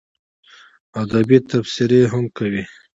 ادبي تبصرې هم کوي.